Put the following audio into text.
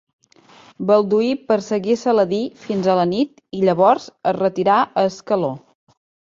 Balduí perseguí Saladí fins a la nit i llavors es retirà a Ascaló.